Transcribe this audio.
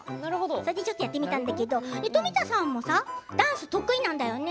それで、ちょっとやってみたんだけど富田さんもダンスが得意なんだよね。